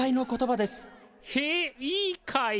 へえいいかい。